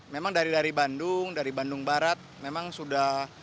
memang dari bandung dari bandung barat memang sudah